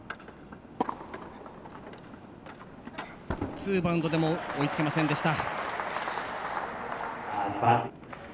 ツーバウンドでも追いつきませんでした。